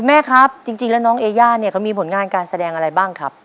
แม่ครับจริงแล้วน้องเอย่าเนี่ยเขามีผลงานการแสดงอะไรบ้างครับ